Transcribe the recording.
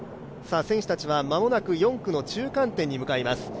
選手たちは間もなく４区の中間点に向かいます。